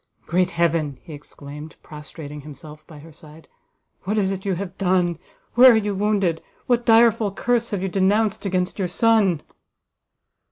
"Great Heaven!" he exclaimed, prostrating himself by her side, "what is it you have done! where are you wounded? what direful curse have you denounced against your son?"